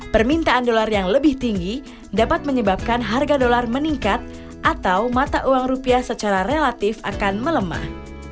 permintaan dolar yang lebih tinggi dapat menyebabkan harga dolar meningkat atau mata uang rupiah secara relatif akan melemah